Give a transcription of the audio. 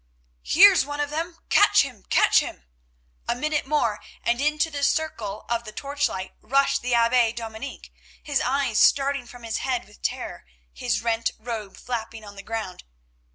"Here's one of them. Catch him! catch him!" A minute more and into the circle of the torchlight rushed the Abbe Dominic, his eyes starting from his head with terror, his rent robe flapping on the ground.